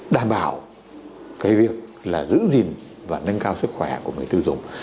đảm bảo cái việc là giữ gìn và nâng cao sức khỏe của người tiêu dùng